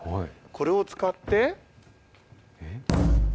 これを使って。